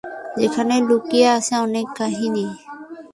যেখানে লুকিয়ে আছে অনেক কাহিনী।